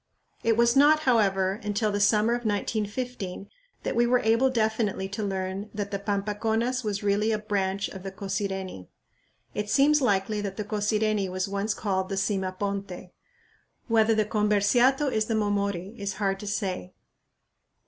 It was not, however, until the summer of 1915 that we were able definitely to learn that the Pampaconas was really a branch of the Cosireni. It seems likely that the Cosireni was once called the "Sima ponte." Whether the Comberciato is the "Momori" is hard to say.